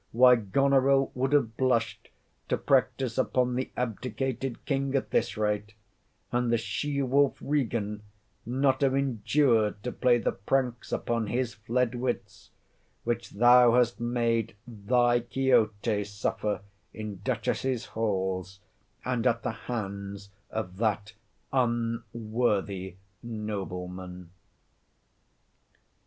Why, Goneril would have blushed to practise upon the abdicated king at this rate, and the she wolf Regan not have endured to play the pranks upon his fled wits, which thou hast made thy Quixote suffer in Duchesses' halls, and at the hands of that unworthy nobleman.